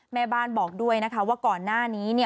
แม่บ้านบอกด้วยนะคะว่าก่อนหน้านี้